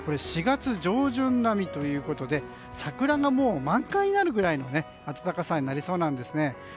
４月上旬並みということで桜がもう満開になるくらいの暖かさになりそうなんですね。